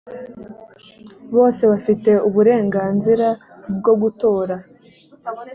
bose bafite uburenganzira bwo gutora.